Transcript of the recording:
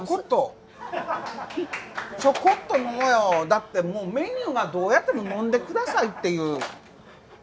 だってもうメニューがどうやっても飲んでくださいっていう。